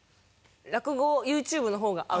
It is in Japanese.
落語はＹｏｕＴｕｂｅの方が合う？